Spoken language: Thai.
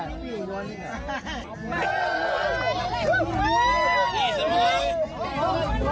พี่นวลพี่นวลพี่นวลเอากระียดสุดไม้มา